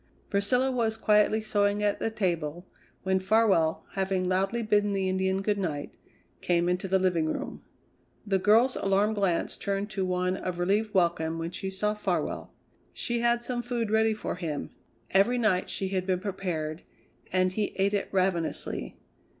Priscilla was quietly sewing at the table when Farwell, having loudly bidden the Indian good night, came into the living room. The girl's alarmed glance turned to one of relieved welcome when she saw Farwell. She had some food ready for him every night she had been prepared and he ate it ravenously.